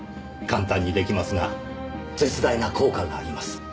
簡単に出来ますが絶大な効果があります。